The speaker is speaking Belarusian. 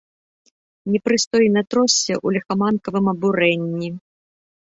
Непрыстойна тросся ў ліхаманкавым абурэнні.